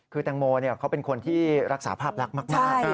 คือแตงโมเขาเป็นคนที่รักษาภาพลักษณ์มาก